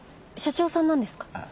社長さんなんですか？